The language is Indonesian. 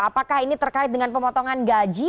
apakah ini terkait dengan pemotongan gaji